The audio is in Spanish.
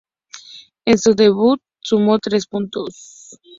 En su debut sumó tres puntos.